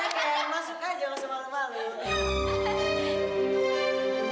ayo masuk aja masuk malam malam